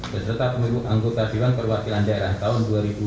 berserta pemilu anggota dewan perwakilan daerah tahun dua ribu sembilan belas